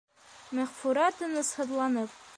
Мәғфүрә, тынысһыҙланып: